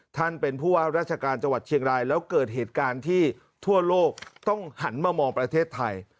ท่านเป็นผู้ว่าราชการจังหวัดเชียงรายแล้วเกิดเหตุการณ์ที่ทั่วโลกต้องหันมามองประเทศไทย